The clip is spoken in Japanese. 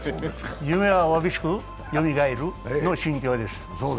夢はわびしくよみがえるの心境です。